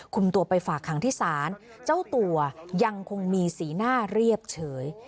ตัวไปฝากขังที่ศาลเจ้าตัวยังคงมีสีหน้าเรียบเฉย